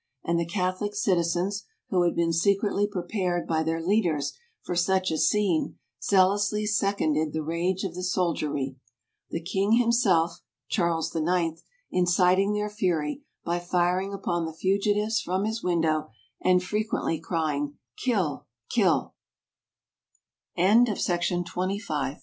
87 and the catholic citizens, who had been secretly prepared by their leaders for such a scene, zea¬ lously seconded the rage of the soldiery. The King himself (Charles the 9th) inciting their fury by firing upon the fugitives from his window, and frequently cry